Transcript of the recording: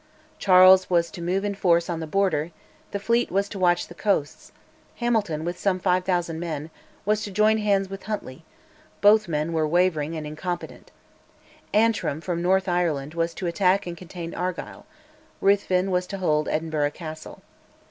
Charles was to move in force on the Border; the fleet was to watch the coasts; Hamilton, with some 5000 men, was to join hands with Huntly (both men were wavering and incompetent); Antrim, from north Ireland, was to attack and contain Argyll; Ruthven was to hold Edinburgh Castle.